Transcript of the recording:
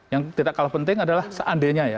yang tidak kalah penting adalah seandainya ya